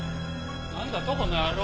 なんだとこの野郎！